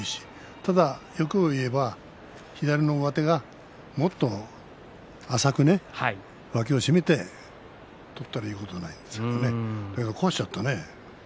ただ欲を言えば左の上手がもっと浅く脇を締めて取ったら言うことないんですけどね。